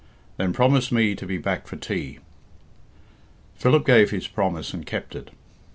"Then promise me to be back for tea." Philip gave his promise and kept it.